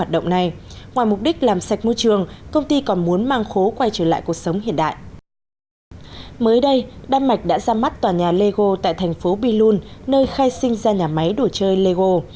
mới đây đan mạch đã ra mắt tòa nhà lego tại thành phố bilun nơi khai sinh ra nhà máy đồ chơi lego